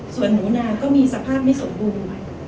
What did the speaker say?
ส่วนหนูนาก็มีสภาพไม่สมบูรณ์